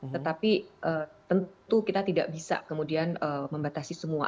tetapi tentu kita tidak bisa kemudian membatasi semua